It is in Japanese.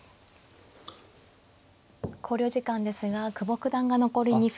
考慮時間ですが久保九段が残り２分